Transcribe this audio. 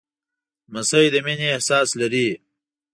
لمسی د مینې احساس لري.